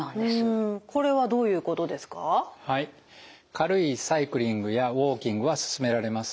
軽いサイクリングやウォーキングはすすめられます。